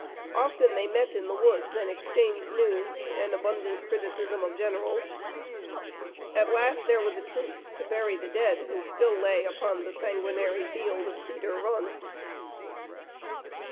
Often they met in the woods and exchanged news and abundant criticism of generals. At last there was a truce to bury the dead who still lay upon the sanguinary field of Cedar Run.